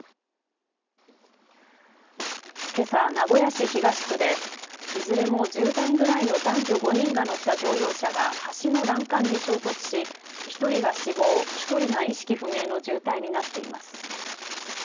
けさ名古屋市東区でいずれも１０代ぐらいの男女５人が乗った乗用車が橋の欄干に衝突し１人が死亡、１人が意識不明の重体になっています。